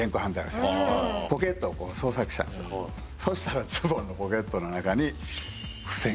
そしたらズボンのポケットの中に。